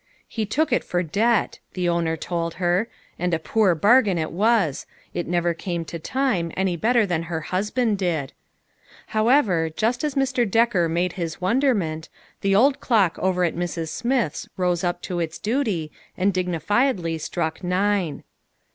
" He took it for debt," the owner told her, and a poor bargain it was ; it never came to time, any better than her husband did. However, just as Mr. Decker made his wonderment, the old clock over at Mrs. Smith's rose up to its duty, and dignifiedly struck nine.